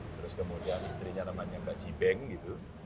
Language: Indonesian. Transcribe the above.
terus kemudian istrinya namanya mbak jibeng gitu